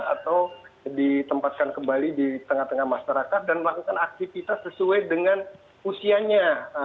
atau ditempatkan kembali di tengah tengah masyarakat dan melakukan aktivitas sesuai dengan usianya